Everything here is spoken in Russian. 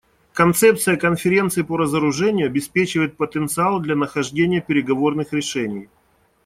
Концепция Конференции по разоружению обеспечивает потенциал для нахождения переговорных решений.